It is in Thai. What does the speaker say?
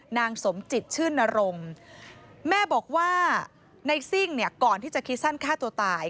นางสมจิตชื่นนรงค์แม่บอกว่าในซิ่งเนี่ยก่อนที่จะคิดสั้นฆ่าตัวตาย